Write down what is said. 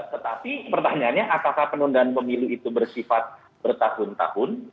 tetapi pertanyaannya apakah penundaan pemilu itu bersifat bertahun tahun